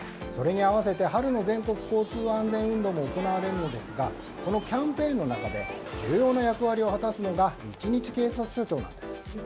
それに合わせて春の全国交通安全運動も行われますがこのキャンペーンの中で重要な役割を果たすのが一日警察署長なんです。